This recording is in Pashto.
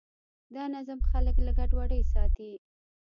دا نظم خلک له ګډوډۍ ساتي.